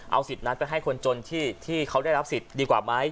เอาสิทธิ์นั้นไปให้คนจนที่เขาได้รับสิทธิ์ดีกว่าไหม